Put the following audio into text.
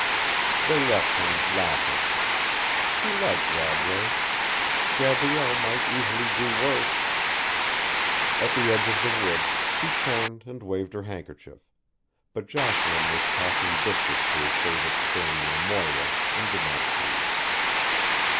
They left him, laughing. He liked Radway. Gabrielle might easily do worse. At the edge of the wood she turned and waved her handkerchief; but Jocelyn was tossing biscuits to his favourite spaniel Moira and did not see.